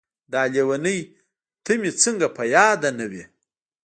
داح لېونۍ ته مې څنګه په ياده نه وې.